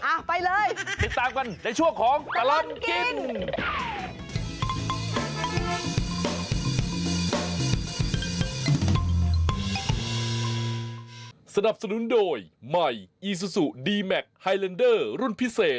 ไปเลยติดตามกันในช่วงของตลอดกิน